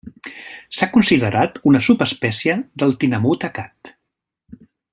S'ha considerat una subespècie del tinamú tacat.